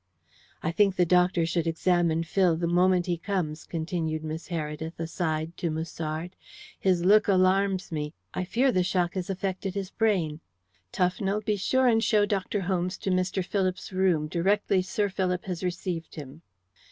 "I think the doctor should examine Phil the moment he comes," continued Miss Heredith, aside, to Musard. "His look alarms me. I fear the shock has affected his brain. Tufnell, be sure and show Dr. Holmes to Mr. Philip's room directly Sir Philip has received him."